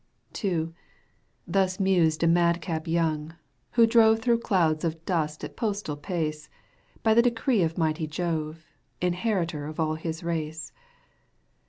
Thus mused a madcap young, who drove Through clouds of dust at postal pace, By the decree of mighty Jove, Inheritor of aU his race.